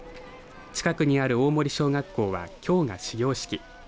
近くにある大森小学校はきょうが始業式。